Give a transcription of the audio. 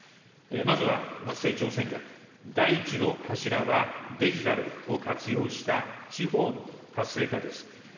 まずは成長戦略、第１の柱はデジタルを活用した地方の活性化です。